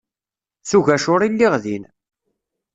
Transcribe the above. S ugacur i lliɣ din.